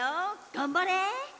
がんばれ！